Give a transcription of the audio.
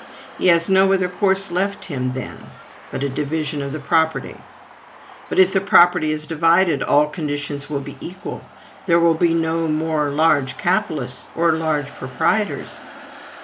He has no other course left him, then, but a division of the property. But if the property is divided, all conditions will be equal there will be no more large capitalists or large proprietors.